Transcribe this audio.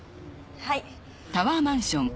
はい。